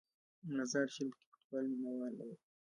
مزار شریف کې فوټبال مینه وال لري.